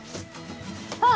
あっ！